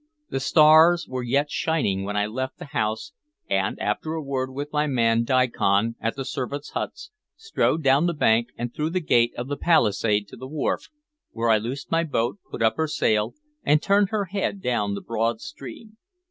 The stars were yet shining when I left the house, and, after a word with my man Diccon, at the servants' huts, strode down the bank and through the gate of the palisade to the wharf, where I loosed my boat, put up her sail, and turned her head down the broad stream.